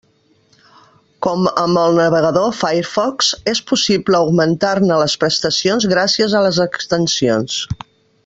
Com amb el navegador Firefox, és possible augmentar-ne les prestacions gràcies a les extensions.